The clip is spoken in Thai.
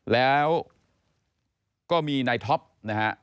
แล้วก็มีนายท็อปนะฮะ